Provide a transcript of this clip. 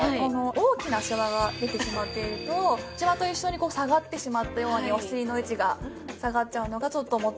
大きなシワが出てしまっているとシワと一緒にこう下がってしまったようにお尻の位置が下がっちゃうのがちょっともったいないですよね。